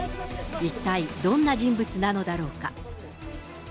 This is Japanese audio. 一体どんな人物なのだろうか。